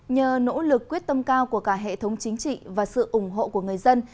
nhờ nỗ lực quyết tâm cao của cả hệ thống chính trị và sự ủng hộ của người dân